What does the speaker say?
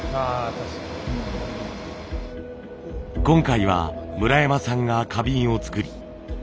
今回は村山さんが花瓶を作り